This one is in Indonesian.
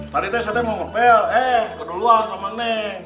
jadi saya sudah jalanin